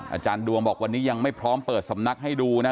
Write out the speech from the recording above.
อาจารย์ดวงบอกวันนี้ยังไม่พร้อมเปิดสำนักให้ดูนะ